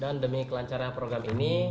dan demi kelancaran program ini